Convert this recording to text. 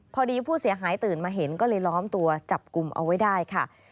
พอดีผู้เสียหายตื่นมาเห็นก็เลยล้อมตัวจับกลุ่มเอาไว้ได้ค่ะ